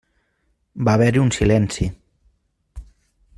Va haver-hi un silenci.